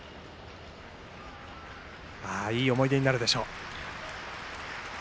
いい思い出になるでしょう。